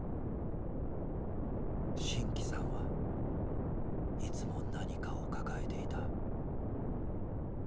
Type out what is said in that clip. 真気さんはいつも何かを抱えていた。